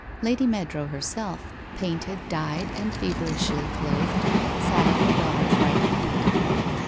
Lady Meadrow herself, painted, dyed, and feverishly clothed, sat at her daughter's right hand.